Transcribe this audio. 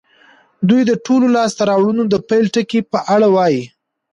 دوی د ټولو لاسته راوړنو د پيل ټکي په اړه وايي.